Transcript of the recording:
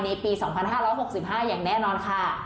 ปี๒๕๖๕อย่างแน่นอนค่ะ